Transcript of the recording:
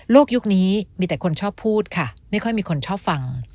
ยุคนี้มีแต่คนชอบพูดค่ะไม่ค่อยมีคนชอบฟัง